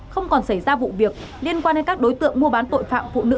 không còn xảy ra vụ việc liên quan đến các đối tượng mua bán tội phạm phụ nữ và trẻ em